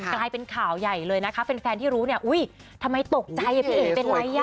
กลายเป็นข่าวใหญ่เลยนะคะแฟนที่รู้เนี่ยอุ้ยทำไมตกใจอ่ะพี่เอ๋เป็นไรอ่ะ